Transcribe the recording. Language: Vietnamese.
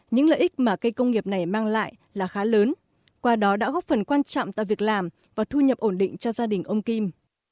những lợi ích mà cây công nghiệp này mang lại là khá lớn qua đó đã góp phần quan trọng tạo việc làm và thu nhập ổn định cho gia đình ông kim